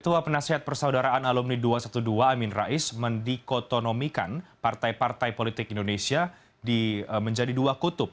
ketua penasihat persaudaraan alumni dua ratus dua belas amin rais mendikotonomikan partai partai politik indonesia menjadi dua kutub